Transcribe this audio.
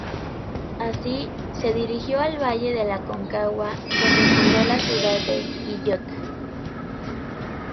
Así, se dirigió al valle del Aconcagua donde fundó la ciudad de Quillota.